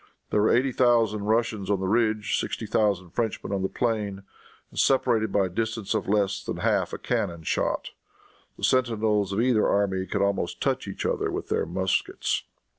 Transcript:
There were eighty thousand Russians on the ridge, sixty thousand Frenchmen on the plain, and separated by a distance of less than half a cannon shot. The sentinels of either army could almost touch each other with their muskets.